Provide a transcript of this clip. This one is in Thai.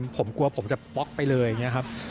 ผมกลัวผมจะป๊อกไปเลยอย่างนี้ครับ